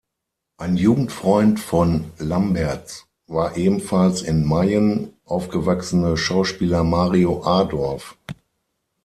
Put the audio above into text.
Ein Jugendfreund von Lamberz war der ebenfalls in Mayen aufgewachsene Schauspieler Mario Adorf.